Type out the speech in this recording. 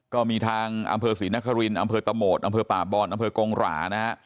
ก็มีทางอำเภอศรีนครินอำเภอตะโหมดอำเภอป่าบอนอำเภอกงหรานะฮะ